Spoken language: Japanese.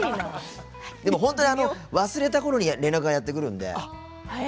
でも本当に忘れたころに連絡がやってくるので。